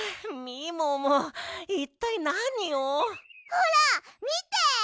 ほらみて！